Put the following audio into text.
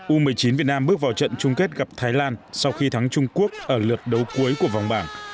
u một mươi chín việt nam bước vào trận chung kết gặp thái lan sau khi thắng trung quốc ở lượt đấu cuối của vòng bảng